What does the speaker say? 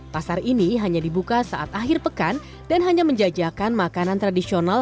pasar ini hanya dibuka saat akhir pekan dan hanya menjajah di kawasan hutan